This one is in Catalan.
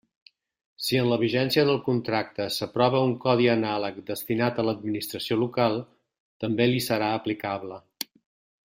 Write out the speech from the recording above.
Si en la vigència del contracte s'aprova un codi anàleg destinat a l'administració local, també li serà aplicable.